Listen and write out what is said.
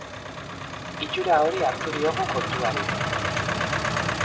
Itxura hori hartu diogu kontuari.